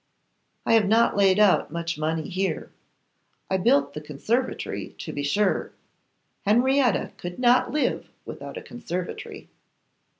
I have not laid out much money here. I built the conservatory, to be sure. Henrietta could not live without a conservatory.